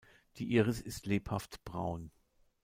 Die Iris ist lebhaft braun.